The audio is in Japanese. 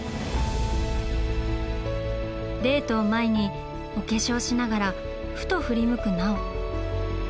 デートを前にお化粧しながらふと振り向く奈緒。